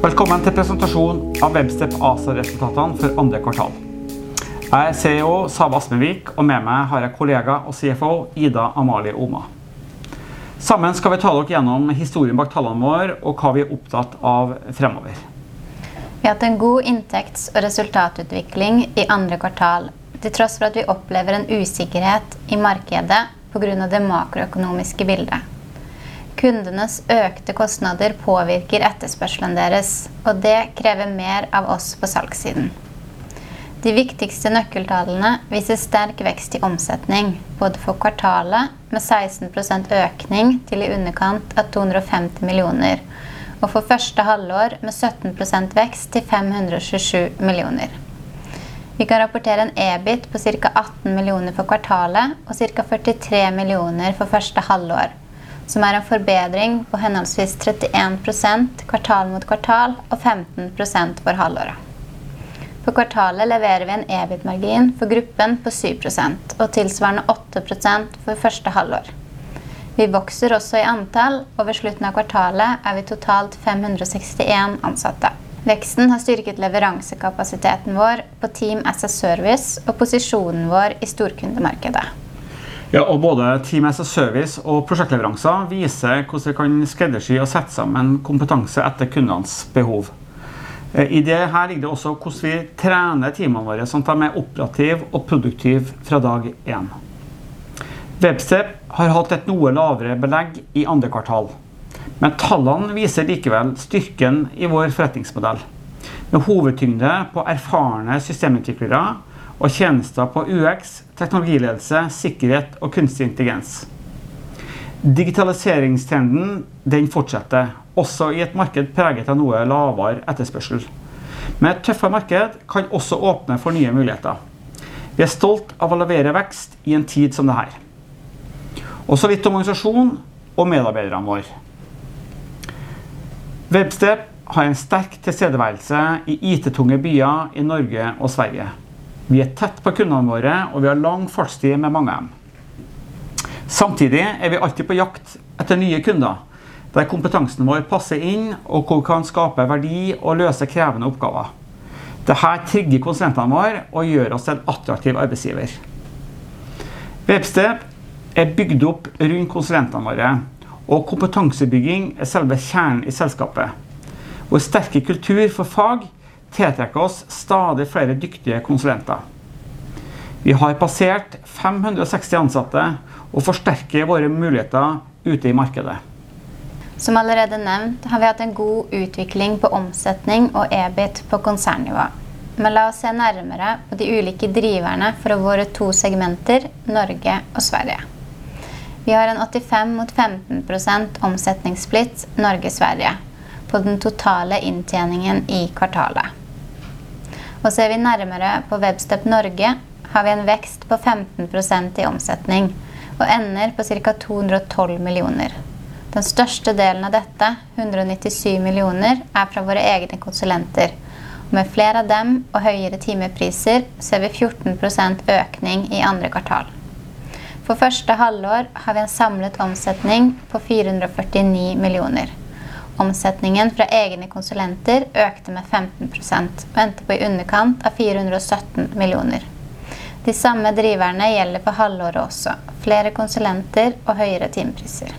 Velkommen til presentasjon av Webstep ASA resultatene for andre kvartal. Jeg er CEO Save Asmervik, og med meg har jeg kollega og CFO Ida Amalie Oma. Sammen skal vi ta dere gjennom historien bak tallene våre og hva vi er opptatt av fremover. Vi har hatt en god inntekts- og resultatutvikling i andre kvartal, til tross for at vi opplever en usikkerhet i markedet på grunn av det makroøkonomiske bildet. Kundenes økte kostnader påvirker etterspørselen deres, og det krever mer av oss på salgssiden. De viktigste nøkkeltallene viser sterk vekst i omsetning både for kvartalet, med 16% økning til i underkant av NOK 250 millioner, og for første halvår, med 17% vekst til NOK 527 millioner. Vi kan rapportere en EBIT på cirka NOK 18 millioner for kvartalet og cirka NOK 43 millioner for første halvår, som er en forbedring på henholdsvis 31% kvartal mot kvartal og 15% for halvåret. For kvartalet leverer vi en EBIT-margin for gruppen på 7% og tilsvarende 8% for første halvår. Vi vokser også i antall, og ved slutten av kvartalet er vi totalt 561 ansatte. Veksten har styrket leveransekapasiteten vår på Team as a Service og posisjonen vår i storkundemarkedet. Både Team as a Service og prosjektleveranser viser hvordan vi kan skreddersy og sette sammen kompetanse etter kundenes behov. I det her ligger det også hvordan vi trener teamene våre, så de er operative og produktive fra dag én. Webstep har hatt et noe lavere belegg i andre kvartal, men tallene viser likevel styrken i vår forretningsmodell, med hovedtyngde på erfarne systemutviklere og tjenester på UX, teknologiledelse, sikkerhet og kunstig intelligens. Digitaliseringstrenden fortsetter også i et marked preget av noe lavere etterspørsel. Et tøffere marked kan også åpne for nye muligheter. Vi er stolte av å levere vekst i en tid som dette. Webstep har en sterk tilstedeværelse i IT-tunge byer i Norge og Sverige. Vi er tett på kundene våre og vi har lang fartstid med mange. Samtidig er vi alltid på jakt etter nye kunder, der kompetansen vår passer inn og hvor vi kan skape verdi og løse krevende oppgaver. Det her trigger konsulentene våre og gjør oss til en attraktiv arbeidsgiver. Webstep er bygd opp rundt konsulentene våre, og kompetansebygging er selve kjernen i selskapet. Vår sterke kultur for fag tiltrekker oss stadig flere dyktige konsulenter. Vi har passert 560 ansatte og forsterker våre muligheter ute i markedet. Som allerede nevnt har vi hatt en god utvikling på omsetning og EBIT på konsernnivå. La oss se nærmere på de ulike driverne for våre to segmenter, Norge og Sverige. Vi har en 85% mot 15% omsetningssplitt Norge/Sverige på den totale inntjeningen i kvartalet. Ser vi nærmere på Webstep Norge, har vi en vekst på 15% i omsetning og ender på cirka NOK 212 millioner. Den største delen av dette, NOK 197 millioner, er fra våre egne konsulenter, og med flere av dem og høyere timepriser ser vi 14% økning i andre kvartal. For første halvår har vi en samlet omsetning på NOK 449 millioner. Omsetningen fra egne konsulenter økte med 15% og endte på i underkant av NOK 417 millioner. De samme driverne gjelder for halvåret også: flere konsulenter og høyere timepriser.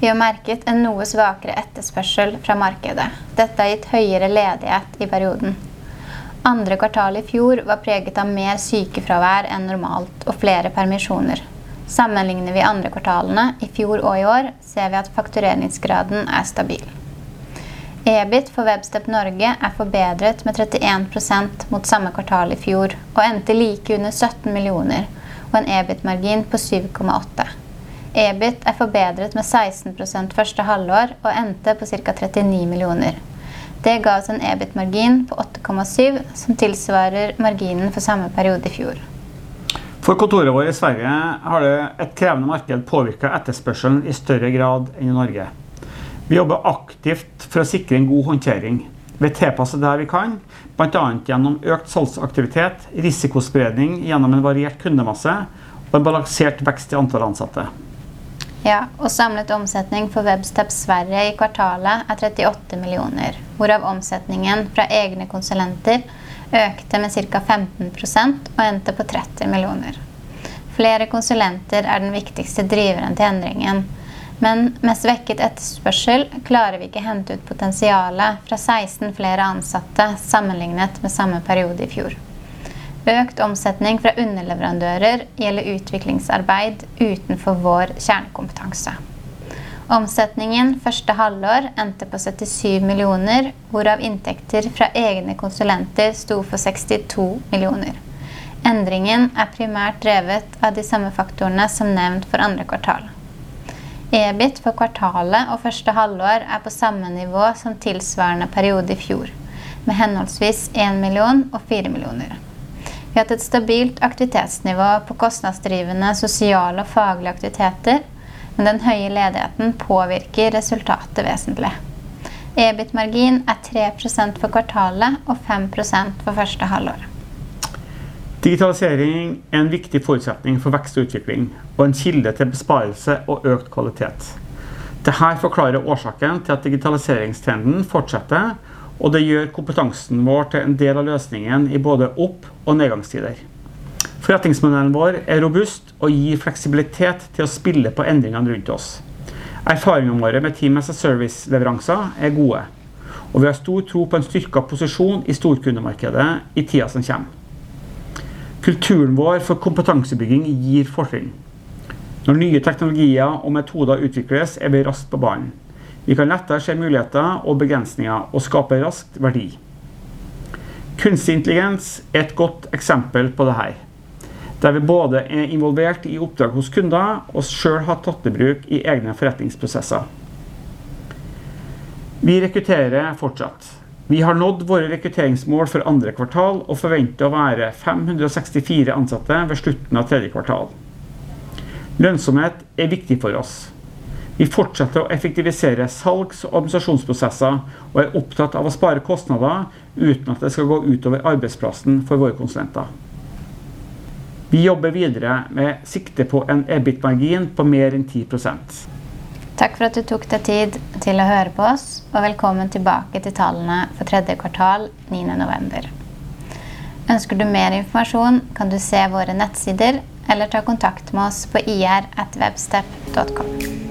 Vi har merket en noe svakere etterspørsel fra markedet. Dette har gitt høyere ledighet i perioden. Andre kvartal i fjor var preget av mer sykefravær enn normalt og flere permisjoner. Sammenligner vi andre kvartalene i fjor og i år, ser vi at faktureringsgraden er stabil. EBIT for Webstep Norge er forbedret med 31% mot samme kvartal i fjor, og endte like under NOK 17 millioner og en EBIT-margin på 7,8%. EBIT er forbedret med 16% første halvår og endte på cirka NOK 39 millioner. Det ga oss en EBIT-margin på 8,7%, som tilsvarer marginen for samme periode i fjor. For kontoret vårt i Sverige har det et krevende marked påvirket etterspørselen i større grad enn i Norge. Vi jobber aktivt for å sikre en god håndtering ved å tilpasse det vi kan, blant annet gjennom økt salgsaktivitet, risikospredning gjennom en variert kundemasse og en balansert vekst i antall ansatte. Ja, og samlet omsetning for Webstep Sweden i kvartalet er NOK 38 millioner, hvorav omsetningen fra egne konsulenter økte med cirka 15% og endte på NOK 30 millioner. Flere konsulenter er den viktigste driveren til endringen. Med svekket etterspørsel klarer vi ikke hente ut potensialet fra 16 flere ansatte sammenlignet med samme periode i fjor. Økt omsetning fra underleverandører gjelder utviklingsarbeid utenfor vår kjernekompetanse. Omsetningen første halvår endte på NOK 77 millioner, hvorav inntekter fra egne konsulenter sto for NOK 62 millioner. Endringen er primært drevet av de samme faktorene som nevnt for andre kvartal. EBIT for kvartalet og første halvår er på samme nivå som tilsvarende periode i fjor, med henholdsvis NOK 1 million og NOK 4 millioner. Vi har hatt et stabilt aktivitetsnivå på kostnadsdrivende, sosiale og faglige aktiviteter, men den høye ledigheten påvirker resultatet vesentlig. EBIT-margin er 3% for kvartalet og 5% for første halvår. Digitalisering er en viktig forutsetning for vekst og utvikling og en kilde til besparelse og økt kvalitet. Det her forklarer årsaken til at digitaliseringstrenden fortsetter, og det gjør kompetansen vår til en del av løsningen i både opp- og nedgangstider. Forretningsmodellen vår er robust og gir fleksibilitet til å spille på endringene rundt oss. Erfaringene våre med Team as a Service-leveranser er gode, og vi har stor tro på en styrket posisjon i storkundemarkedet i tiden som kommer. Kulturen vår for kompetansebygging gir forsprang. Når nye teknologier og metoder utvikles, er vi raskt på banen. Vi kan lettere se muligheter og begrensninger og skape raskt verdi. Kunstig intelligens er et godt eksempel på det her, der vi både er involvert i oppdrag hos kunder og selv har tatt i bruk i egne forretningsprosesser. Vi rekrutterer fortsatt. Vi har nådd våre rekrutteringsmål for andre kvartal, og forventer å være 564 ansatte ved slutten av tredje kvartal. Lønnsomhet er viktig for oss. Vi fortsetter å effektivisere salgs- og administrasjonsprosesser og er opptatt av å spare kostnader uten at det skal gå ut over arbeidsplassen for våre konsulenter. Vi jobber videre med sikte på en EBIT-margin på mer enn 10%. Takk for at du tok deg tid til å høre på oss, og velkommen tilbake til tallene for tredje kvartal 9. november. Ønsker du mer informasjon, kan du se våre nettsider eller ta kontakt med oss på ir@webstep.com.